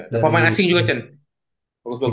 dan pemain asing juga cen